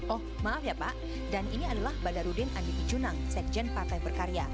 oh maaf ya pak dan ini adalah badarudin andi picunang sekjen partai berkarya